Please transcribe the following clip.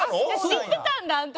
知ってたんだあの時。